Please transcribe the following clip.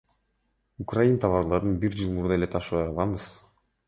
Украин товарларын бир жыл мурда эле ташыбай калганбыз.